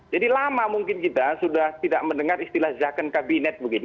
jadi lama mungkin kita sudah tidak mendengar istilah jaken kabinet begitu